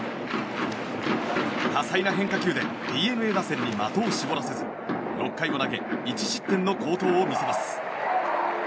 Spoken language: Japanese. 多彩な変化球でＤｅＮＡ打線に的を絞らせず６回を投げ１失点の好投を見せます。